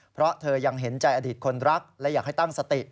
เพราะเธอยังเห็นใจอดีตคนรักและอยากให้ตั้งสติ